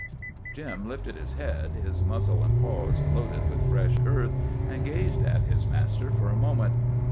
Jim lifted his head, his muzzle and paws loaded with fresh earth, and gazed at his master for a moment.